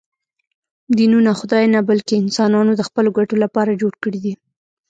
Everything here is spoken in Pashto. دینونه خدای نه، بلکې انسانانو د خپلو ګټو لپاره جوړ کړي دي